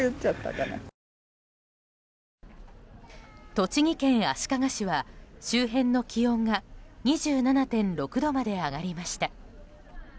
栃木県足利市は、周辺の気温が２７．６度まで上がりました。